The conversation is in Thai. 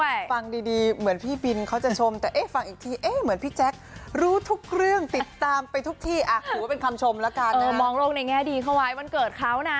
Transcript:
ยังมีการแซวหยอกเอ้ย